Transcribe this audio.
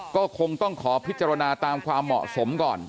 ก็คงต้องขอพิจารณาตามความเหมาะสมก่อน